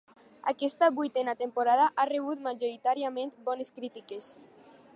Aquesta vuitena temporada ha rebut majoritàriament bones crítiques.